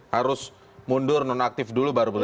harus mundur nonaktif dulu baru